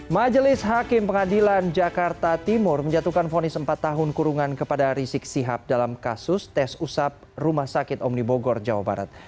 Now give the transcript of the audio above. majelis hakim pengadilan jakarta timur menjatuhkan fonis empat tahun kurungan kepada rizik sihab dalam kasus tes usap rumah sakit omnibugor jawa barat